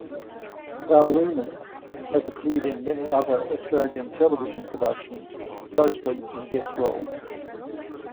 Val Lehman has appeared in many other Australian television productions, mostly in guest roles.